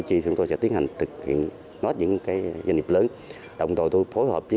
thì chúng tôi sẽ tiến hành thực hiện các doanh nghiệp lớn